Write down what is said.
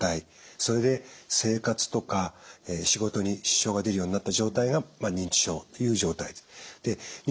それで生活とか仕事に支障が出るようになった状態が認知症という状態です。